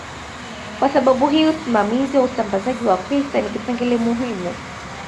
Kwa sababu hii usimamizi wa usambazaji wa pesa ni kipengele muhimu